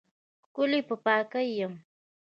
ښکلی په پاکۍ یمه